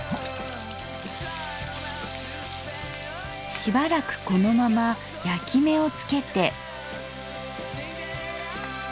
しばらくこのまま焼き目をつけて。